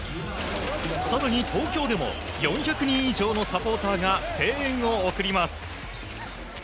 さらに東京でも４００人以上のサポーターが声援を送ります。